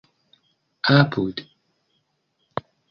apud